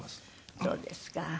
そうですか。